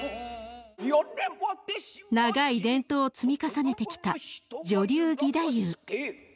長い伝統を積み重ねてきた女流義太夫。